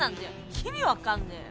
意味分かんねえよ。